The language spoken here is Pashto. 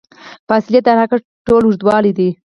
فاصلې د حرکت ټول اوږدوالی دی.